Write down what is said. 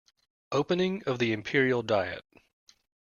Opening of the Imperial diet.